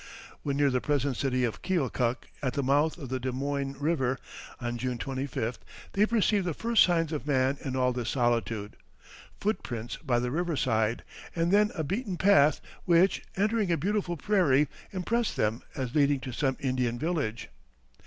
When near the present city of Keokuk, at the mouth of the Des Moines River, on June 25th, they perceived the first signs of man in all this solitude: foot prints by the riverside, and then a beaten path, which, entering a beautiful prairie, impressed them as leading to some Indian village.